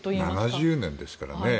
７０年ですからね。